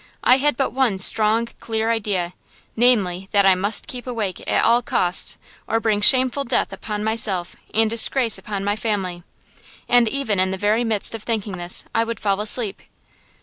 I had but one strong, clear idea, namely, that I must keep awake at all costs, or bring shameful death upon myself and disgrace upon my family. And even in the very midst of thinking this I would fall asleep."